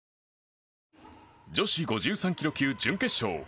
女子５３ｋｇ級、準決勝。